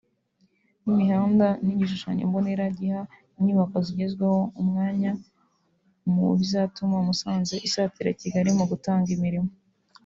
nk’imihanda n’igishushanyombonera giha inyubako zigezweho umwanya biri mu bizatuma Musanze isatira Kigali mu gutanga imirimo